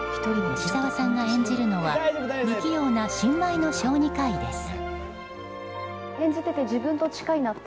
吉沢さんが演じるのは不器用な新米の小児科医です。